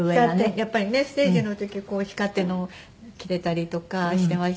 やっぱりねステージの時は光ってるのを着てたりとかしてましたよね。